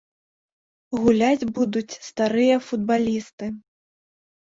Гуляць будуць старыя футбалісты.